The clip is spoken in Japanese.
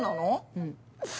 うん。